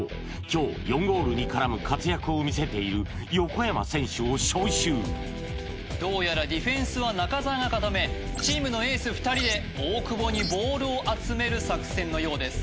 今日４ゴールに絡む活躍を見せている横山選手を招集どうやらディフェンスは中澤が固めチームのエース２人で大久保にボールを集める作戦のようです